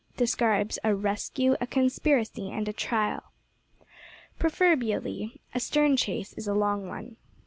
DESCRIBES A RESCUE, A CONSPIRACY, AND A TRIAL. Proverbially a stern chase is a long one.